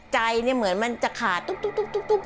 ใจเหมือนมันจะขาดตุ๊ก